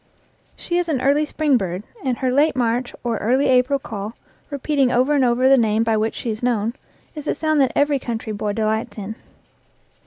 She is an early spring bird, and her late March or early April call, repeating over and over the name by which she is known, is a sound that every coun try boy delights in.